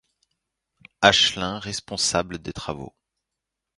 Ashlin responsable des travaux.